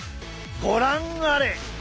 ご覧あれ！